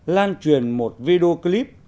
lan truyền một video clip